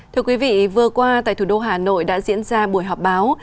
thưa quý vị vừa qua tại thủ đô hà nội đã diễn ra buổi họp báo